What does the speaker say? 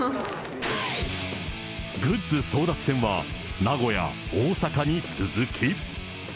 グッズ争奪戦は、名古屋、大阪に続き。